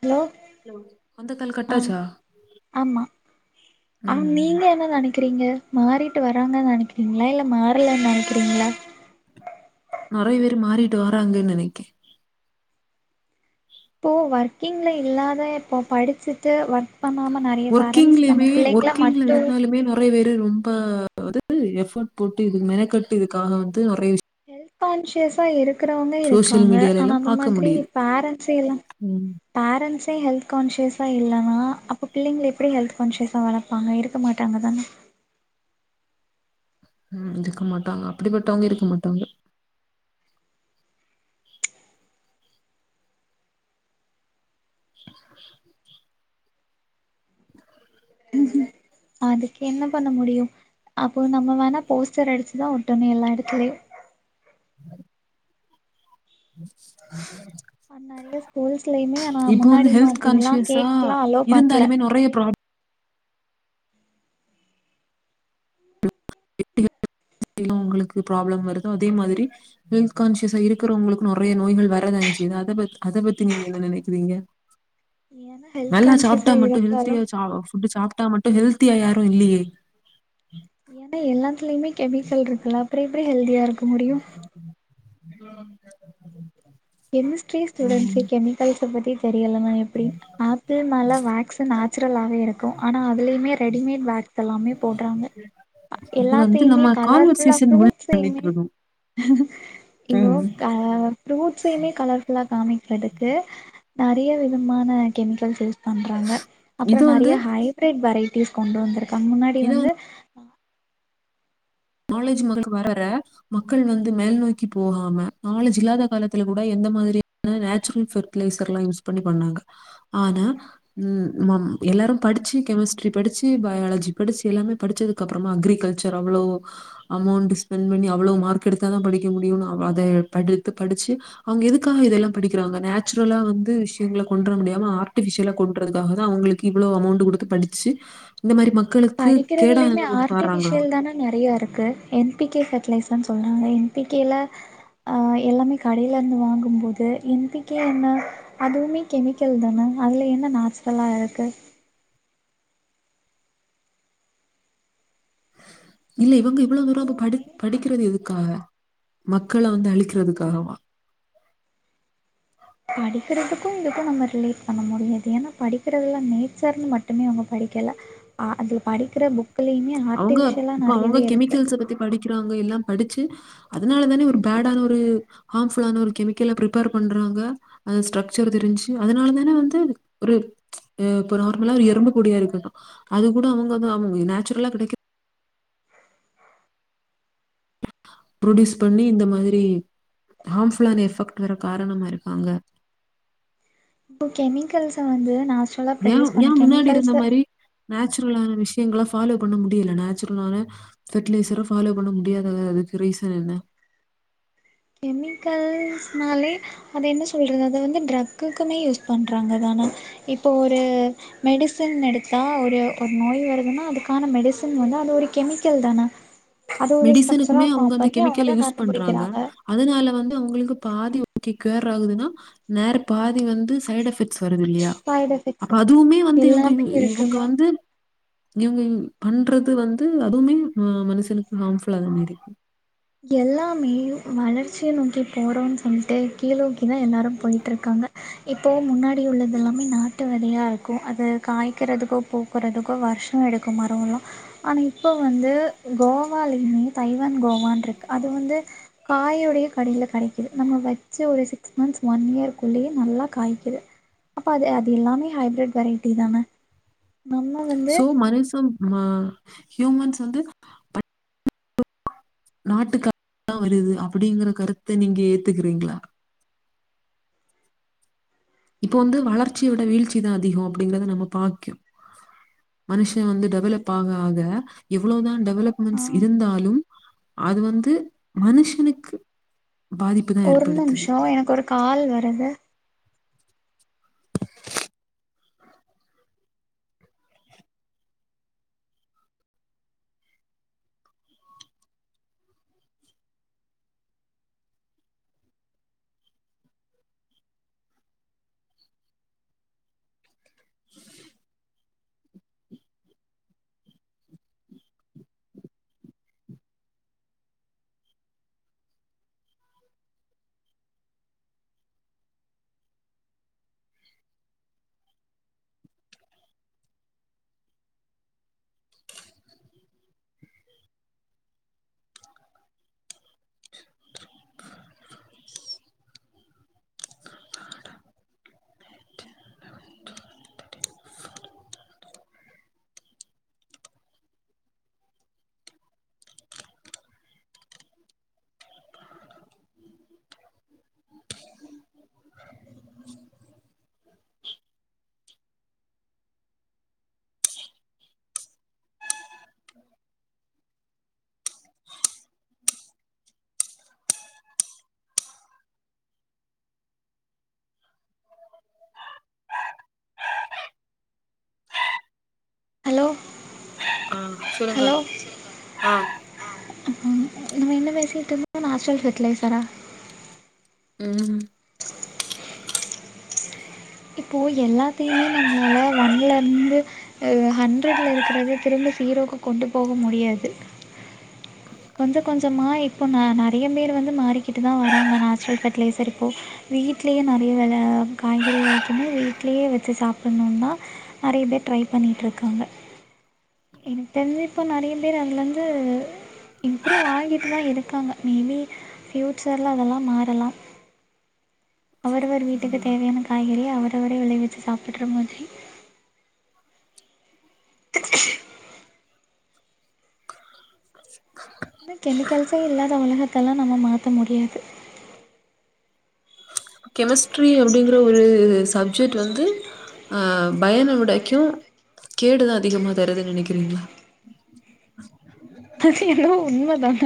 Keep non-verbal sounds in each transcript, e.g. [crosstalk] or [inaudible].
hello hello அந்த call cut ஆச்சா ஆமா ம் க்குறீங்க மாறிட்டு வராங்க நனக்கிறீங்ளா இல்ல மாறலன் நனக்கிறீங்ளா நறையா பேர் மாறிட்டு வாராங்கன் நனக்கே இப்போ வர்க்கிங்ல இல்லாத இப்போ படுச்சிட்டு வர்க் பண்ணாம நறைய‌ஆ பேரன்ட்ஸ் நம்ம பிள்ளெங்கள மட்டு நறையா பேரு ரொம்ப அதாவ்து எஃபாட் போட்டு இது மெனக்கட்டு இதுக்காக வந்து நறையா விஷ் ஹெல்த் ஹான்சியஸா இருக் இருக்றவங்க சோசியல் இருக்காங்க மீடியால எல்லா ஆனா அந்த பாக்க மாதிரி முடியுது பேரன்ஸ்ஸே எல்லா ம் பேரண்ட்ஸே ஹெல்த் கான்சியஸா இல்லன்னா அப்ப பிள்ளைங்கள எப்டி ஹெல்த் கான்ஸியஸா வளப்பாங்க இருக்கமாட்டாங்க தான ம் இருக்க மாட்டாங்க அப்டிப்பட்டவங்க இருக்க மாட்டாங்க அதுக்கு என்ன பண்ண முடியு அப்போ நம்ம வேணா போஸ்டர் அடிச்சிதா ஒட்டனு எல்லா எடத்துலயு நெறைய ஸ்கூல்ஸ்லயுமே ஆனா இப்போ வந்து முன்னாடி ஹெல்த் மாதிரிலா கான்சியஸா கேக்ஸ்லா அலோ பண்ல இருந்தாலுமே நோரையா ப்ராப் எப்டிலா உங்களுக்கு ப்ராப்ளம் வருதோ அதே மாதிரி ஹெல்த் கான்சியஸா இருக்கிறவங்களுக்கு நோரையா நோய்கள் வரதானே செய்து அதபத் அத பத்தி நீங்க என்ன நெனைக்கிறீங்க ஏன்னா ஹெல்த் நல்லா கான்சியஸா சாப்ட்டா மட்டு இருந்தாலு ஹெல்தியா சா ஃபுட்டு் சாப்ட்டா மட்டு‌ ஹெல்தியா யாரு இல்லியே ஏன்னா எல்லாத்துலேயுமே கெமிக்கல் இருக்குல்ல அப்றோ எப்டி ஹெல்தியா இருக்க முடியு கெமிஸ்டி ஸ்டுடென்ஸ்கே ம் கெமிக்கல்ஸ பத்தி தெரியலன்னா எப்டி ஆப்பிள் மேல வக்ஸ் நேச்சுரலாவே இருக்கு ஆனா அதுலயுமே ரெடிமேட் வக்ஸ் எல்லாமே போட்றாங்க இது வந்து எல்லாத்தயுமே நம்ம கலர் ஃபுல்லா கான்வர்சேஷன் முடிவு பண்ணிட்டு ஃப்ரூட்ஸ்லயுமே இருக்கோ இவோ ம் கயாவர் ஃப்ரூட்ஸயுமே கலர் ஃபுல்லாக காமிக்கிறதுக்கு நெறய விதமான கெமிக்கல்ஸ் யூஸ் பண்றாங்க அப்றோ இது வந்து நெறய ஹைப்ரேட் வெரேட்டிஸ் கொண்டு வந்திருக்காங்க முன்னாடி இத வந்து நாலேஜ் மகளுக்கு வரற மக்கள் வந்து மேல் நோக்கி போகாம நாலேஜ் இல்லாத காலத்துல கூட எந்த மாதிரி யான நேச்சுரல் பெபர்டிலைசர் எல்லா யூஸ் பண்ணி பண்ணாங்க ஆனா ம் நம் எல்லாரு படிச்சு கெமிஸ்ட்ரி படிச்சு பயாலஜி படிச்சு எல்லாமே படிச்சது கப்றமா அக்ரிகல்ச்சர் அவ்ளோ அமௌண்ட் ஸ்பெண்ட் பண்ணி அவ்ளோ மார்க் எடுத்தாதா படிக்க முடியும்னு அத படித்து படிச்சு அவங்க எதுக்காக இதெல்லா படிக்கிறாங்க நேச்சுரலா வந்து விஷயங்கள கொண்டு வர முடியாம ஆர்டிஃபிசியலா கொன்றதுக்காகதா அவங்களுக் கி இவ்ளோ அமௌண்ட் கொடுத்து படிச்சு இந்த மாரி மக்களுக் படிக்கிறதுலயுமே ஆர்ட்டிபிஷியல் தான நெறைய இருக்கு என் பி கே ஃபர்டிலைஸன்னு சொல்றாங்க என் பி கே ல அ எல்லாமே கடையில இருந்து வாங்குபோது என் பி கே என்ன அதுவுமே கெமிக்கல் தான அதுல என்ன நாச்சுரலா இருக்கு இல்ல இவங்க இவ்ளோ தூரோ இப்ப படி படிக் றது எதுக்காக மக்கள வந்து அழிக்கிறதுக்காகவா படிக்கிறதுக்கு இதுக்கு நம்ம ரிலேட் பண்ண முடியாது ஏன்னா படிக்கிறதுல நேச்சர்ன்னு மட்டுமே அவங்க படிக்கல அ அதுல படிக்கிற புக்லயுமே அவங்க ஆர்ட்டிபிஷியலா இப்ப அவங்க நெறையவே இருக்கு கெமிக்கல்ஸை பத்தி படிக்கிறாங்க எல்லா படிச்சு அதனால தானே ஒரு பேடான ஒரு ஹார்ம் ஃபுல்லான ஒரு கெமிக்கல ப்பிரிப்பேர் பண்றாங்க அது ஸ்ட்ரக்சர் தெரிஞ்சு அதனாலதான வந்து ஒரு ம்ச் இப்ப நார்மலா ஒரு எறும்பு பொடியா இருக்கது அது கூட அவங்க வந்து அவங்க நேச்சுரலா கெடைக்க ப்ரொடியூஸ் பண்ணி இந்த மாதிரி ஹார்ம்ஃபுல்லான எஃபெக்ட் வர காரணமா இருக்காங்க இப்ப கெமிக்கல்ஸ்ஸ வந்து நா சொ ஏ ஏ முன்னாடி இருந்த மாரி நேச்சுரலான விஷயங்க ஃபாலோ பண்ண முடியல நேச்சுரலான ஃபெர்டிலைசர ஃபாலோ பண்ண முடியாத அத அதுக்கு ரீசன் என்ன கெமிக்கல்ஸ்னாலே அது என்ன சொல்றது அத வந்து ட்ரக்குக்குமே யூஸ் பண்றாங்கதானா இப்போ ஒரு மெடிசின் எடுத்தா ஒரு ஒரு நோய் வருதுன்னா அதுக்கான மெடிசின் வந்து அது ஒரு கெமிக்கல் தான அது ஒரு ஸ்ட்ரக்சரா மெடிசனுக்குமே ஃபார்ம் பண்ணி அவுங்கதா கண்டுபிடிக்கிறாங்க அதுனால வந்து அவுங்களுக்கு பாதி ஓகே கியர் ஆகுதுன்னா நேர பாதி வந்து சைடு் எஃபெக்ட்ஸ் வருது இல்லயா சைடு அப்ப எஃபெக்ட்ஸு அதுவுமே வந்து இவுங்க எல்லாமே இருக்குது இவுங்க தான் வந்து இவுங்க பண்றது வந்து அதுவுமே மனுசனுக்கு ஹாம்ஃபுல்லா தா இருக்கி எல்லாமே வளர்ச்சிய நோக்கி போறோன்னு சொல்லிட்டு கீழோக்கி தா எல்லாரு போயிட்டு இருக்காங்க இப்போ முன்னாடி உள்ளது எல்லாமே நாட்டு வெதயா இருக்கு அத காய்க்றதுக்கோ பூக் றதுக்கோ வர்ஷோ எடுக்கு மரோல்லா ஆனா இப்போ வந்து கோவாலயுமே தைவான் கோவான்ட்டு அது வந்து காயோடையே கடைல கெடக்கீது நம்ம வெட் ச்சு ஒரு சிக்ஸ் மந்த்ஸ் ஒன் இயர்குள்ளேயே நல்லா காய்க்கிது அப்ப அது அது எல்லாமே ஹைபிரட் வெரைட்டி தான சோ மனுஷம் மா ஹியூமன்ஸ் வந்து நாட்டுக்கா ய்தா வருது அப்டிங்குற கருத்த நீங்க ஏத்துக்றீங்களா இப்போ வந்து வளர்ச்சிய விட வீழ்ச்சி தா அதிகோ அப்டிங்கறத நம்ம பாக்யோ மனுஷே வந்து டெவலப் ஆக ஆக எவ்ளோதா டெவலப்மெண்ட்ஸ் ஆஹ், இருந்தாலு அது வந்து மனுஷனுக்கு பாதிப் ஒரு நிமிஷோ எனக்கு ஒரு கால் வருது ஹலோ அ சொல்லுங்க ஆ ஆ ஆ நம்ம என்ன பேசிட்டுருந்தோ நாச்சுரல் ஃபெர்ட்லெய்சரா ம் இப்போ எல்லாத்தையுமே நம்மாள ஒண்ணலருந்து எ ஹண்ட்ரட்ல இருக்குறது திரும்ப சீரோக்கு கொண்டு போக முடியாது கொஞ்சோ கொஞ்சமா இப்போ ந நெறைய பேரு வந்து மாறிக்கிட்டு தா வாராங்க நேச்சுரல் ஃபெர்டிலைசர் இப்போ வீட்லயே நெறைய வெல காய்கறி வரைக்குமே வீட்லயே வச்சு சாப்டணும்னா நெறைய பேர் ட்ரை பண்ணிட்டுருக்காங்க எனக்கு தெரிஞ்சு இப்போ நெறைய பேர் அதுலருந்து இம்ப்ரூவ் ஆகிட்டு தா இருக்காங்க மேபி ஃப்யூச்சர்ல அதெல்லா மாறலா அவரவர் வீட்டுக்கு தேவையான காய்கறிய அவரவரே விளைவிச்சு சாப்ட்டுக்குற மாத்ரி சீ இந்த கெமிக்கல்ஸே இல்லாத உலகத்தெல்லா நம்ம மாத்த முடியாது கெமிஸ்ட்ரி அப்டிங்குற ஒரு சப் ஜெக்ட் வந்து அ பயனவிடக்கு கேடுதா அதிகமா தருதுன்னு நெனக்கிறீங்களா அது என்னவோ உண்மதான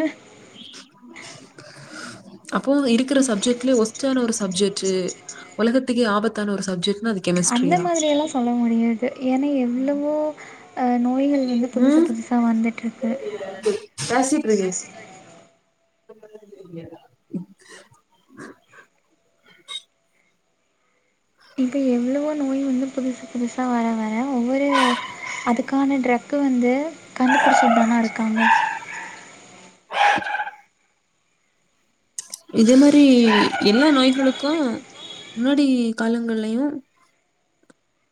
அப்போ இருக்குற சப்ஜெக்ட்லயே வொஸ்ட்டான ஒரு சப்ஜெக்ட்டு உலகத்துக்கே ஆபத்தான ஒரு சப்ஜெக்ட் அந்த மாதிரி எல்லா சொல்ல முடியாது ஏன்னா எவ்ளவோ பல நோய்கள் வந்து புதுசு புதுசா வந்துட்ருக்கு பாசிவ் ப்ரவின [inaudible] இப்போ எவ்ளவோ நோய் வந்து புதுசு புதுசா வர வர ஒவ்வொரு அதுக்கான ட்ரக்கு வந்து கண்டுபிடிச்சதுதான இருக்காங்க [inaudible] இதே மாரி எல்லா நோய்களுக்கு முன்னாடி காலங்கள்லையு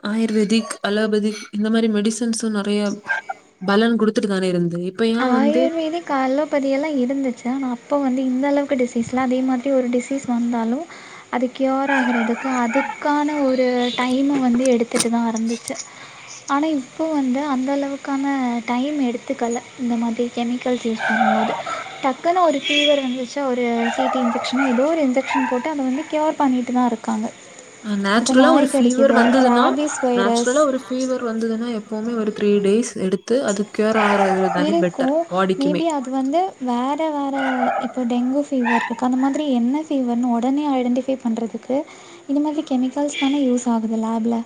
ஆயுர்வேதிக் அலோபெதிக் இந்த மாரி மெடிசன்சு நறையா பலன் குடுத்துட்டு தானே இருந்து இப்ப ஏன் வந்து ப்பிவே கலோபதியெல்லா இருந்துச்சு ஆனா அப்போ வந்து இந்த அளவுக்கு டிசீஸ்லா அதே மாதிரி ஒரு டிசீஸ் வந்தாலு அது க்யூர் ஆகறதுக்கு அதுக்கான ஒரு டைம வந்து எடுத்துட்டு தா இருந்துச்சு ஆனா இப்போ வந்து அந்த அளவுக்கான டைம் எடுத்துக்கல இந்த மாரி கெமிக்கல்ஸ் யூஸ் பண்ணும் போது டக்குன்னு ஒரு ஃபீவர் வந்துச் ஒரு டிடி இன்ஜெக்ஷன் ஏதோ ஒரு இன்ஜெக்ஷன் போட்டு அத வந்து கியூர் பண்ணிட்டு தா இருக்காங்க அ இப்போ நேச்சுரலா ஒரு நாய் ஃபீவர் கடிக்குது வந்ததுனா ரேபீஸ் வைரஸ் நேச்சுரலா ஒரு ஃபீவர் வந்ததுன்னா எப்பவுமே ஒரு த்ரீ டேஸ் எடுத் து அது கியூர் ஆகறதுதானே பெட்டர் இருக்கும் பாடிக்கிமே மேபி அது வந்து வேற வேற இப்போ டெங்கு ஃபீவர் இருக்கு அந்த மாதிரி என்ன ஃபீவர் உடனே ஐடென்டிஃபை பண்றதுக்கு இந்த மாதிரி கெமிக்கல்ஸ் தானே யூஸ் ஆகுது லேப்ல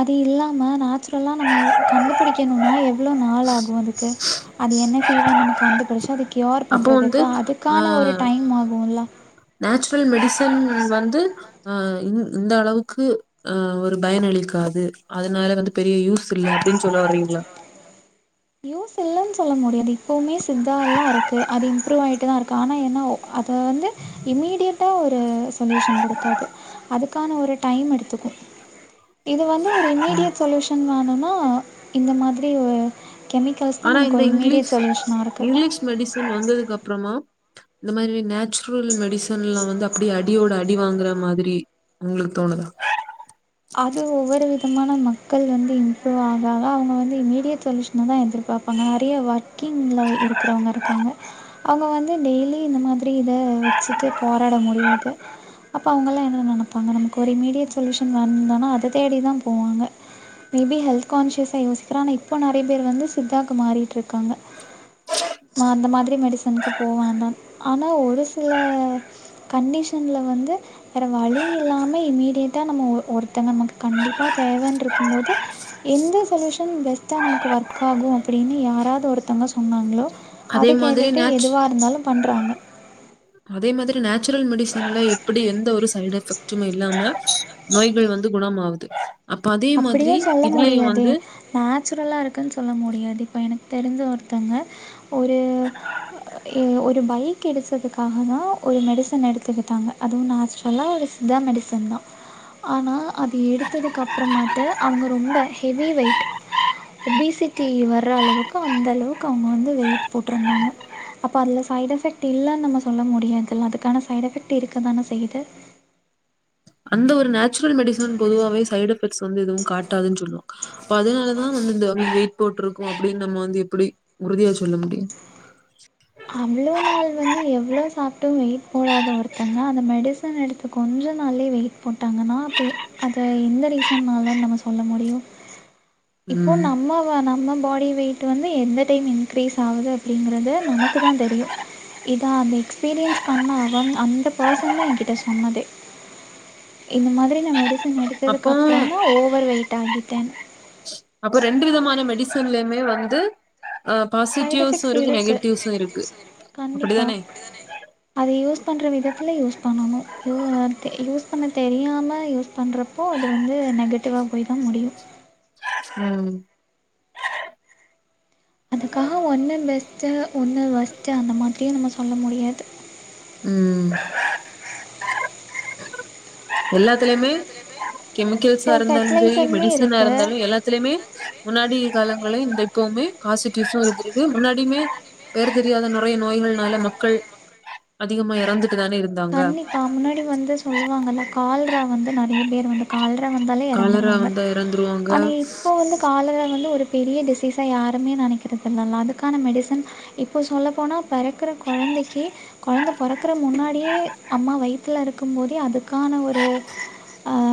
அது இல்லாம நேச்சுரலா நம்ம கண்டுபுடிக்கணுனா எவ்ளோ நாள் ஆகு அதுக்கு அது என்ன ஃபீவர் நமக்கு கண்டுபிடிச்சு அது கியோர் அப்போ பண்றதுக்கு வந்து ஆ அதுக்கான ஒரு டைம் ஆகுல நேச்சுரல் மெடிசின் வந்து அ இந் இந்த அளவுக்கு அ ஒரு பயனளிக்காது அதனால வந்து பெரிய யூஸ் இல்ல அப்டின் சொல்ல வறீங்ளா யூஸ் இல்லன் சொல்ல முடியாது இப்போமே சித்தாலா இருக்கு அது இம்ப்ரூவ் ஆயிட்டு தா இருக்கு ஆனா என்ன அத வந்து இம்மீடியட்டா ஒரு சொல்யூஷன் குடுக்காது அதுக்கான ஒரு டைம் எடுத்துக்கு இது வந்து ஒரு இம்மீடியட் சொல்யூஷ் ஷன் வேணுனா இந்த மாதிரி ஒரு கெமிக்கல்ஸ் தா ஆனா நமக்கு இந்த ஒரு இங்கிலீஷ் இம்மீடியட் சொல்யூஷனா இருக்கு இங்கிலீஷ் மெடிசன் வந்ததுக் அப்புறமா இந்த மாரி நேச்சுரல் மெடிசன்லா வந்து அப்டியே அடி அடியோட அடி வாங்குற மாதிரி உங்ளுக் தோணுதா அது ஒவ்வொரு விதமான மக்கள் வந்து இம்ப்ரூவ் ஆக அக அவுங்க வந்து இம்மீடியட் சொல்யூஷ் ஷன் தா எதிர்பாப்பாங்க நெறைய வர்க்கிங்ள இருக்கிறவுங்க இருக்காங்க அவுங்க வந்து டெய்லி இந்த மாதிரி இத வச்சுட்டு போராட முடியாது அப்ப அவுங்கல்லா என்ன நெனப்பாங்க நமக்கு ஒரு இம்மீடியட் சொல்யூஷன் வந்தனா அத தேடிதா போவாங்க மே பி ஹெல்த் கான்சியஸ்சா யோசிக்ற ஆனா இப்ப நறைய பேரு வந்து சித்தாவுக்கு மாறிட்டுருக்காங்க நா அந்த மாதிரி மெடிசனுக்கு போவோ தா ஆனா ஒரு சில கண்டிஷன்ல வந்து வேற வழி இல்லாம இம்மீடியேட்டா நம்ம ஒருத்தங்க நமக் கண்டிப்பா தேவன்ட்ருக்கும்போது எந்த சொல்யூஷன் பெஸ்ட்டா நமக்கு ஒர்க் ஆகு அப்டின்னு யாராது ஒருத்தங்க சொன்னாங்ளோ அதே அது மாதிரி கேட்டுட்டு நேச் எதுவா இருந்தாலு பண்றாங்க அதே மாதிரி நேச்சுரல் மெடிசன்ல எப்டி எந்த ஒரு சைய்டு எஃபெக்ட் டுமே இல்லாம நோய்கள் வந்து குணம் ஆவ்து அப்ப அதே மாதிரி இதுலயு வந்து நேச்சுரலா இருக்குன்னு சொல்ல முடியாது இப்போ எனக் தெரிஞ்ச ஒருத்தங்க ஒரு ஒரு பை கெடிச்சதுக்காக தா ஒரு மெடிசன் எடுத்துக்கிட்டாங்க அதுவு நேச்ரலா ஒரு சித்தா மெடிசன் தா ஆனா அது எடுத்ததுக்கு அப்புறமாட்டு அவுங்க ரொம்ப ஹெவி வெயிட் ஒபிசிட்டி வர்ற அளவுக்கு அந்த அளவுக்கு அவூங்க வந்து வெயிட் போட்ருந்தாங்க அப்ப அதுல சைட் எஃபெக்ட் இல்லன் நம்ம சொல்ல முடியாதுல்ல அதுக்கான சைட் எஃபெக்ட் இருக்கதானே செய்து அந்த ஒரு நேச்சுரல் மெடிசன் பொதுவாவே சைடு் எஃபெக்ட்ஸ் வந்து எதுவு காட்டாதுன் சொல்லு அப்ப அதனாலதா வந்து இந்த வெயிட் போட்ருக்கு அப்டின் நம்ம வந்து எப்டி உறுதியா சொல்ல முடியு அவ்ளோ நாள் வந்து எவ்ளோ சாப்ட்டு வெயிட் போடாத ஒருத்தங்க அந்த மெடிச சார் எனக்கு கொஞ்ச நாள்லே வெயிட் போட்டாங்கன்னா அப்பே அது எந்த ரீசனால நம்ம சொல்ல முடியும் இப்போ ம் நம்ம வ நம்ம பாடி வெயிட்டு வந்து எந்த டைம் இன்கிரீஸ் ஆகுது அப்டிங்கிறத நமக்கு தா தெரியும் இதா அந்த எக்ஸ்பீரியன்ஸ் பண்ண அவ அந்த பர்சன் தா என்கிட்ட சொன்னது இந்த மாதிரி நா மெடிசன் எடுத்ததுக்கு அப்போ அப்புறம் தா ஓவர் வெயிட் ஆகிட்டேன் அப்ப ரண்டு விதமான மெடிசன்லயுமே வந்து ஆ சைட் பாசிட்டிவ்ஸ்ஸு எஃபெக்ட்ஸ் இருக்கு இருக்குது நெகட்டிவுஸ்ஸு இருக்கு அப்டி தானே அத யூஸ் பண்ற விதத்துல யூஸ் பண்ணனும் யூ நர்க்கே யூஸ் பண்ண தெரியாம யூஸ் பண்ற அப்போ அது வந்து நெகட்டிவா போயி தா முடியும் ம் அதுக்காக ஒன்னு பெஸ்ட்டு ஒன்னு வொஸ்ட்டு அந்த மாதிரியு நம்ம சொல்ல முடியாது ம் எல்லாத்துலயுமே கெமிக்கல்ஸா ஸோ இருந்தாலுமு சேரி ஃபெர்டிலைசருமே மெடிசனா இருக்குது இருந்தாலு எல்லாத்துலயுமே முன்னாடி காலங்களே இந்த இப்பவுமே காசிட்டிவஸும் இருந்துருக்கு முன்னாடியுமே பேரு தெரியாத நுறையா நோய்கள்னால மக்கள் அதிகமா எறந்துட்டு தான இருந் கன்னிப்பா முன்னாடி வந்து சொல்லுவாங்கல்ல கால்ரா வந்து நறையா பேர் வந்து கால்ரா வந்தாலே காலரா எறந்துருவாங்க வந்தா எறந்துருவாங்க ஆனா இப்ப வந்து காலரா வந்து ஒரு பெரிய டிசீஸா யாருமே நெனைக்கிறதில்ல இல்ல அதுக்கான மெடிசன் இப்போ சொல்லப்போனா பெறக்கிற கொழந்தைக்கு கொழந்த பொறக்கற முன்னாடி யே அம்மா வைத் துல இருக்கமோதே அதுக்கான ஒரு ஆ